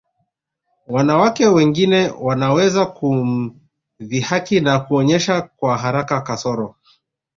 Wanawake wengine wanaweza kumdhihaki na kuonyesha kwa haraka kasoro